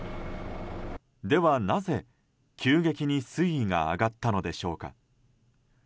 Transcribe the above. ではなぜ急激に水位が上がったのでしょうか。